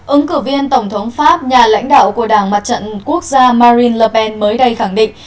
ứng cử viên tổng thống pháp nhà lãnh đạo của đảng mặt trận quốc gia marin ler pen mới đây khẳng định